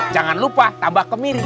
jangan lupa tambah kemiri